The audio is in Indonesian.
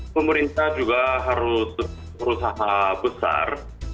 pemerintah juga harus berusaha besar